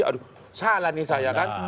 aduh salah nih saya kan